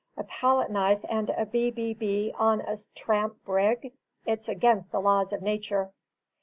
A palette knife and a B B B on a tramp brig! It's against the laws of nature."